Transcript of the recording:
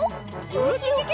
ウキキキ！